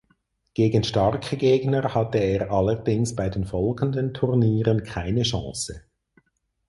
Gegen starke Gegner hatte er allerdings bei den folgenden Turnieren keine Chance.